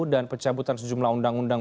dan pecah butan sejumlah undang undang